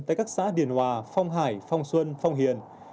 tại các xã điền hòa phong hải phong xuân phong hiền